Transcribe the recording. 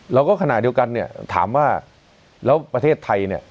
เราก็ขนาดเดียวกันถามว่าแล้วประเทศไทย